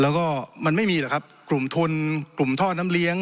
แล้วก็มันไม่มีหรอกครับกลุ่มทุนกลุ่มท่อน้ำเลี้ยง